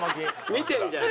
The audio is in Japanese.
見てんじゃん。